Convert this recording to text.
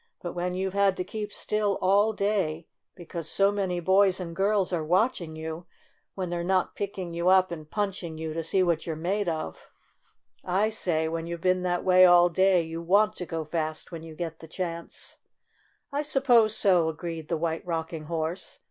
"But when you 've had to keep still all day, because so many boys and girls are watching you, when they're not picking you up and punching you to see what you're made of — I say when you've been that way all day, you want to go fast when you get the chance." "I suppose so," agreed the White Rock ing Horse.